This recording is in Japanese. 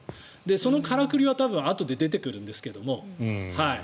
そのからくりは多分あとで出てくるんですけども。